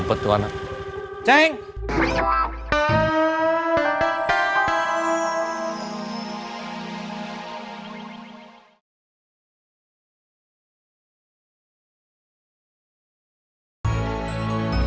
tapi jujur sih yuk bhatt adalah anak bujang ya sih kayak korea